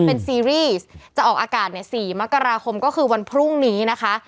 เป็นซีรีส์จะออกอากาศใน๔มกราคมก็คือวันพรุ่งนี้นะคะ